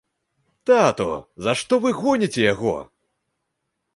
Тату, за што вы гоніце яго?